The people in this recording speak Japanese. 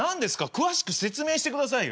詳しく説明してくださいよ。